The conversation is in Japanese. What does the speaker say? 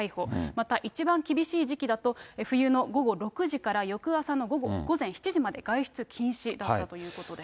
また一番厳しい時期だと、冬の午後６時から翌朝の午前７時まで外出禁止だったということです。